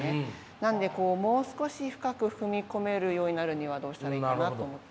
なんでもう少し深く踏み込めるようになるにはどうしたらいいかなと思って。